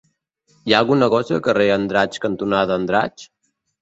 Hi ha algun negoci al carrer Andratx cantonada Andratx?